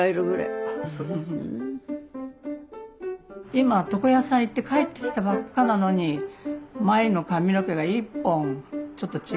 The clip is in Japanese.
「今床屋さんへ行って帰ってきたばっかなのに前の髪の毛が一本ちょっと違う！